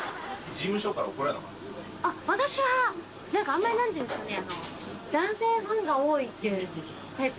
私は何かあんまり何ていうんですかね。